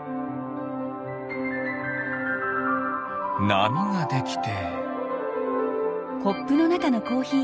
なみができて。